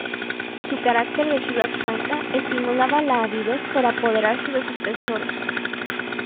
Su carácter de ciudad santa estimulaba la avidez por apoderarse de sus tesoros.